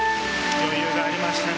余裕がありましたね。